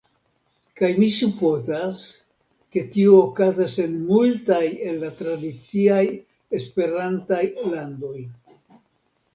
Kaj mi supozas ke tio okazas en multaj el la tradiciaj Esperantaj landoj.